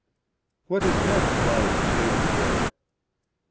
What is meant by daily bread?